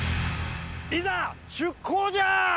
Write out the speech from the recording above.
いざ出航じゃ！